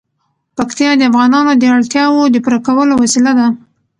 پکتیا د افغانانو د اړتیاوو د پوره کولو وسیله ده.